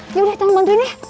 ya udah tolong bantuin ya